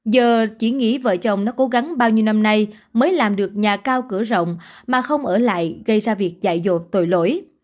giờ chỉ nghĩ vợ chồng nó cố gắng bao nhiêu năm nay mới làm được nhà cao cửa rộng mà không ở lại gây ra việc dạy dột tội lỗi